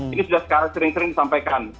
ini sudah sering sering disampaikan